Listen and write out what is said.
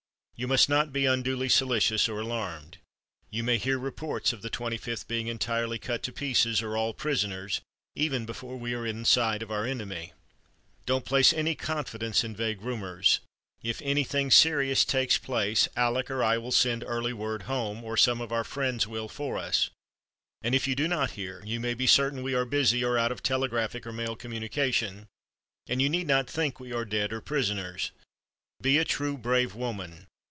You must not be unduly solicitous or alarmed. You may hear reports of the Twenty fifth being entirely cut to pieces or all prisoners, even before we are in sight of our enemy. Don't place any confidence in vague rumors. If anything serious takes place, Aleck or I will send early word home, or some of our friends will for us, and if you do not hear, you may be certain we are busy or out of telegraphic or mail communication, and you need not think we are dead or prisoners. Be a true, brave woman.